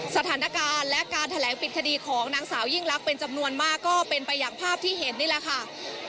สถานการณ์และการแถลงปิดคดีของนางสาวยิ่งลักษณ์เป็นจำนวนมากก็เป็นไปอย่างภาพที่เห็นนี่แหละค่ะ